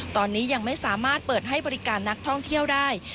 ตอนนี้ยังไม่สามารถเปิดให้บริการนักท่องเที่ยวได้